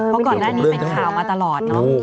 เพราะก่อนนั้นนี่เป็นข่าวมาตลอด